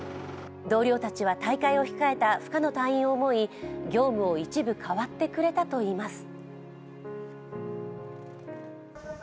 同僚たちは大会を控えた深野隊員を思い業務を一部、変わってくれたといいます。